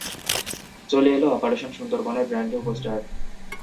চলে এলো অপারেশন সুন্দরবনের ব্র্যান্ড নিউ পোস্টার!